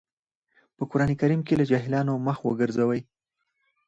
په قرآن کريم کې له جاهلانو مخ وګرځوئ.